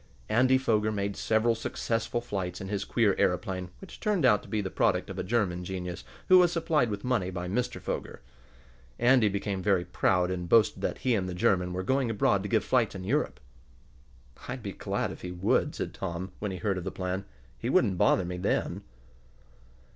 Andy Foger made several successful flights in his queer aeroplane, which turned out to be the product of a German genius who was supplied with money by Mr. Foger. Andy became very proud, and boasted that he and the German were going abroad to give flights in Europe. "I'd be glad if he would," said Tom, when he heard of the plan. "He wouldn't bother me then."